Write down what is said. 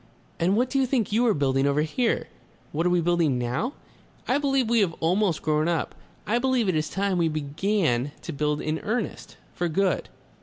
And what do you think you are building over here?" "What are we building now? I believe we have almost grown up. I believe it is time we began to build in earnest. For good...."